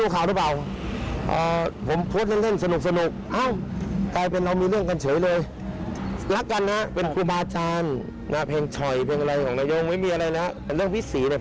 ขอโทษคว้าไปที่การร้อนการอะไรงานให้ได้